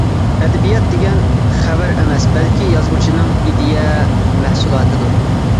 ئەدەبىيات دېگەن خەۋەر ئەمەس، بەلكى يازغۇچىنىڭ ئىدىيە مەھسۇلاتىدۇر.